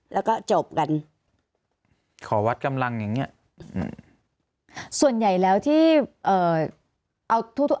แล้วก็จบกันขอวัดกำลังอย่างเงี้ยส่วนใหญ่แล้วที่เอ่อเอาทั่วทุก